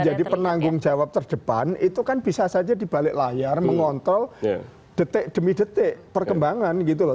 jadi penanggung jawab terdepan itu kan bisa saja dibalik layar mengontrol detik demi detik perkembangan gitu loh